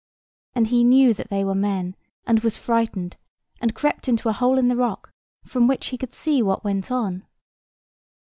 And he knew that they were men, and was frightened, and crept into a hole in the rock, from which he could see what went on.